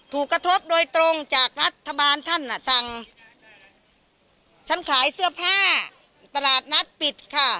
ถูกกระทบโดยตรงจากรัฐบาลท่านอ่ะสั่งฉันขายเสื้อผ้าตลาดนัดปิดค่ะ